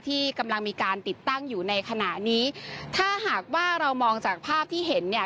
ที่กำลังมีการติดตั้งอยู่ในขณะนี้ถ้าหากว่าเรามองจากภาพที่เห็นเนี่ย